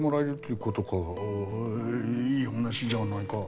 いい話じゃないか。